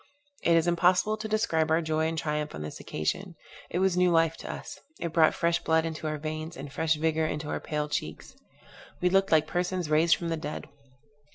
It is impossible to describe our joy and triumph on this occasion. It was new life to us; it brought fresh blood into our veins, and fresh vigor into our pale cheeks: we looked like persons raised from the dead.